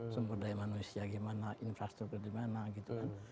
sumber daya manusia gimana infrastruktur gimana gitu kan